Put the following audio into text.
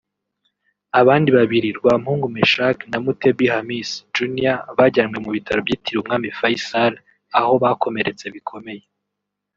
Abandi babiri Rwampungu Mechack na Mutebi Hamissi “Junior” bajyanywe mu bitaro byitiriwe umwami Fayçal aho bakomeretse bikomeye